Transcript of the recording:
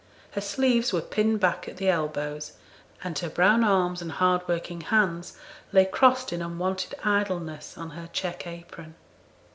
Her sleeves were pinned back at the elbows, and her brown arms and hard working hands lay crossed in unwonted idleness on her check apron.